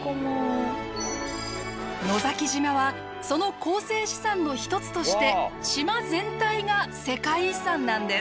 野崎島はその構成資産の一つとして島全体が世界遺産なんです。